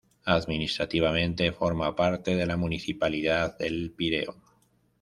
Administrativamente forma parte de la municipalidad de El Pireo.